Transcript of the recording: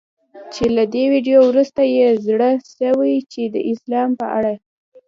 چي له دې ویډیو وروسته یې زړه سوی چي د اسلام په اړه